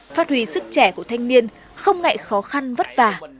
phát huy sức trẻ của thanh niên không ngại khó khăn vất vả